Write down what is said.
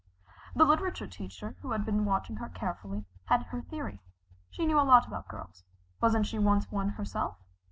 The literature teacher, who had been watching her carefully, had her theory. She knew a lot about girls. Wasn't she once one herself?